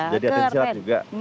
jadi atlet istirahat juga